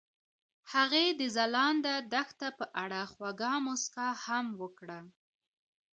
هغې د ځلانده دښته په اړه خوږه موسکا هم وکړه.